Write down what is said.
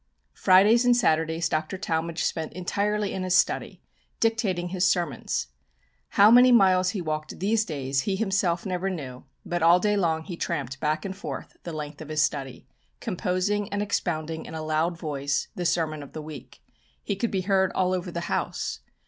Fridays and Saturdays Dr. Talmage spent entirely in his study, dictating his sermons. How many miles he walked these days he himself never knew, but all day long he tramped back and forth the length of his study, composing and expounding in a loud voice the sermon of the week. He could be heard all over the house.